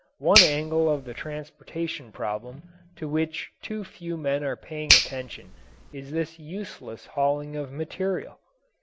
One angle of the transportation problem to which too few men are paying attention is this useless hauling of material.